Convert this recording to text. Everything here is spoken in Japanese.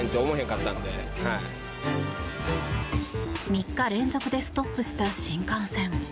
３日連続でストップした新幹線。